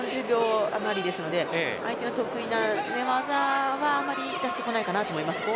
時間も４０秒あまりですので相手の得意な寝技は出してこないかなと思います。